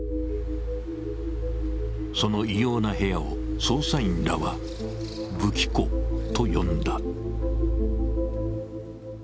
その異様な部屋を捜査員らは武器庫と呼んだ。